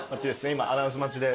今アナウンス待ちで。